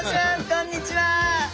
こんにちは！